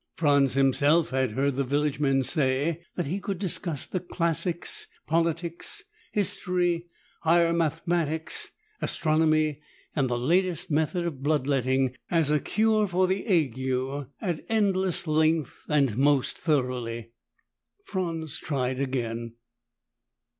Franz himself had heard the village men say that he could discuss the classics, politics, history, higher mathematics, astronomy and the latest method of bloodletting as a cure for the ague, at endless length and most thoroughly. Franz tried again.